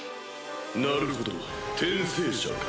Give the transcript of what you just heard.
なるほど転生者か。